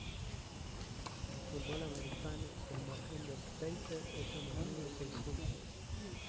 En fútbol americano, el margen de "teaser" es a menudo de seis puntos.